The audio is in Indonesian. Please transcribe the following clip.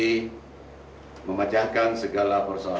dan bisa memacahkan segala persoalanmu